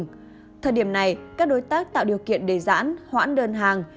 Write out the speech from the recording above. thời điểm này các đối tác tạo điều kiện để giãn hoãn đơn hàng